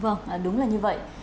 vâng đúng là như vậy